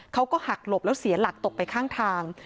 เขาก็หักหลบแล้วเสียหลักตกไปข้างทาง